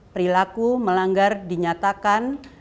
perilaku melanggar dinyatakan